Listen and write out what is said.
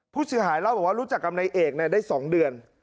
ผู้เสียหายเล่าให้รู้จักกับนายเอกได้สองเดือน